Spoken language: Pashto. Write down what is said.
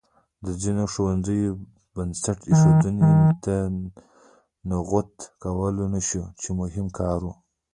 ځینو ښوونځیو بنسټ ایښودنې ته نغوته کولای شو چې مهم کار و.